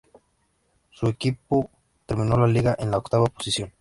Su equipo terminó la liga en la octava posición.